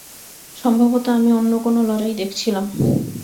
সম্ভবত আমি অন্য কোনো লড়াই দেখছিলাম।